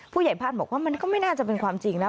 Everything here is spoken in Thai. ผู้ใหญ่บ้านบอกว่ามันก็ไม่น่าจะเป็นความจริงนะ